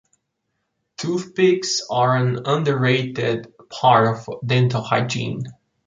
Toothpicks are an underrated part of dental hygiene.